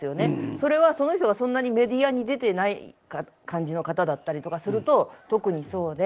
それはその人がそんなにメディアに出てない感じの方だったりとかすると特にそうで。